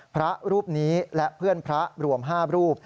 พระรูปนี้และเพื่อนพระรวม๕รูป